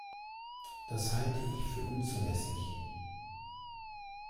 Das halte ich für unzulässig.